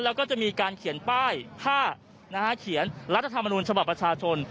แล้วก็จะมีการเขียนป้ายผ้าเขียนรัฐธรรมนูญฉบับประชาชน